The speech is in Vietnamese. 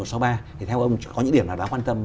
thì theo ông có những điểm nào đáng quan tâm